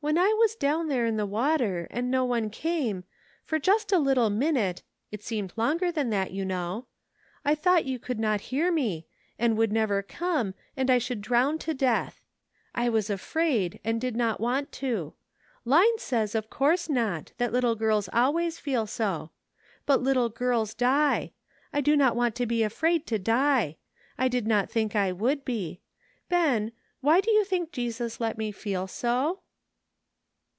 When I was down tihere in the w^ter, apd fto ^R9 <5aqie, for Just ^ SOMETHING TO REMEMBER. 39 little minute — it seemed longer than that, you know — I thought you could not hear me, and would never come, and I should drown to death. I was afraid, and did not want to. Line says of course not, that little girls always feel so. But little girls die. I do not want to be afraid to die. I did not think I would be. Ben, why do you think Jesus let me feel so?"